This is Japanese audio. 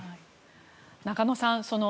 中野さん